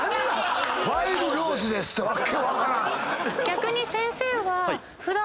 逆に先生は普段。